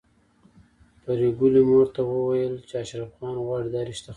پري ګلې مور ته ويل چې اشرف خان غواړي دا رشته ختمه کړي